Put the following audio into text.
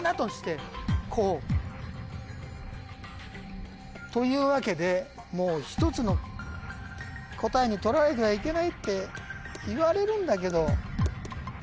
こう。というわけで一つの答えにとらわれてはいけないっていわれるんだけど。